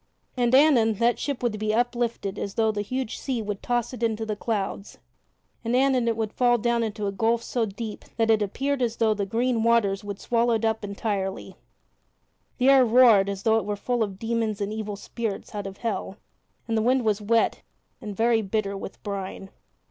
And anon that ship would be uplifted as though the huge sea would toss it into the clouds; and anon it would fall down into a gulf so deep that it appeared as though the green waters would swallow it up entirely. The air roared as though it were full of demons and evil spirits out of hell, and the wind was wet and very bitter with brine.